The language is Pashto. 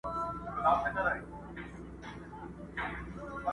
د ژبې له پاره ستايي ډېر وي،